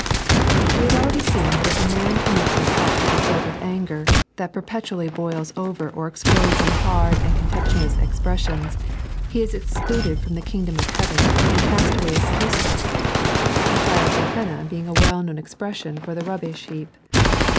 WE have already seen that if a man permito bis heart to be filled with auger, that perpetually boils over or explodes in hard and contemptuooa expresaioDS, he is excluded from the Kingdom of Heaven, and cast away as useless — the fire of Gehenna being a well known expression for the rubbish heap.